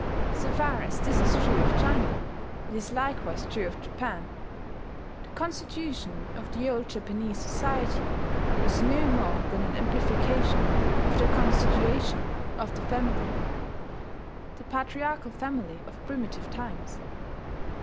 So far as this is true of China, it is likewise true of Japan. The constitution of the old Japanese society was no more than an amplification of the constitution of the family, the patriarchal family of primitive times.